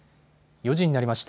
４時になりました。